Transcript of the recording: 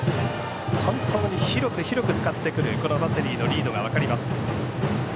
本当に広く使ってくるこのバッテリーのリードが分かります。